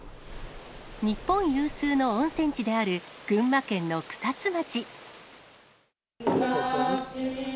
日本有数の温泉地である群馬県の草津町。